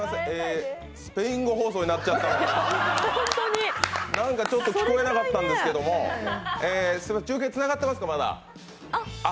スペイン語放送になっちゃったなんかちょっと聞こえなかったんですけどもまだ中継つながってますか？